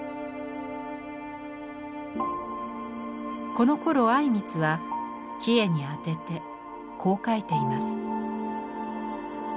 このころ靉光はキヱに宛ててこう書いています。